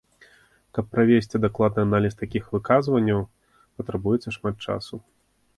Каб правесці дакладны аналіз такіх выказванняў, патрабуецца шмат часу.